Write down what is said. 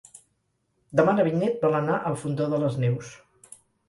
Demà na Vinyet vol anar al Fondó de les Neus.